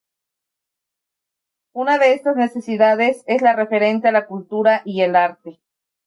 Una de estas necesidades es la referente a la cultura y el arte.